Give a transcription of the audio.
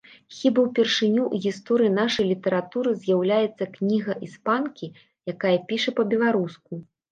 Хіба ўпершыню ў гісторыі нашай літаратуры з'яўляецца кніга іспанкі, якая піша па-беларуску.